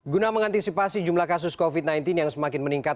guna mengantisipasi jumlah kasus covid sembilan belas yang semakin meningkat